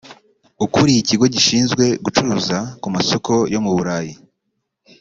ukuriye Ikigo gishinzwe Gucuruza ku masoko yo mu Burayi